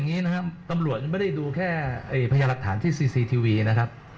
อันดับตำรวจไม่ได้ดูแค่ประณาหรักฐานที่ซีซีทวีนะครับ